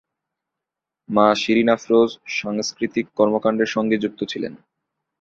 মা শিরীন আফরোজ সাংস্কৃতিক কর্মকাণ্ডের সঙ্গে যুক্ত ছিলেন।